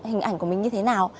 hình ảnh của mình như thế nào